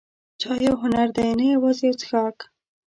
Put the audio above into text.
چای یو هنر دی، نه یوازې یو څښاک.